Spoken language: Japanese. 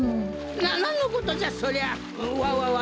ななんのことじゃそりゃ！わわわしは。